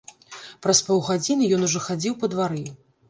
Праз паўгадзіны ён ужо хадзіў па двары.